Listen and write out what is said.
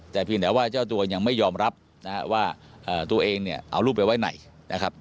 แต่เพียงแต่ว่าเจ้าตัวยังไม่ยอมรับว่าตัวเองเอารูปไปไหนนะครับ